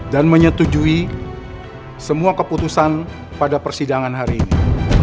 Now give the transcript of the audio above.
dan menyetujui semua keputusan pada persidangan hari ini